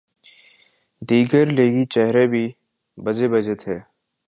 دیگر لیگی چہرے بھی بجھے بجھے تھے۔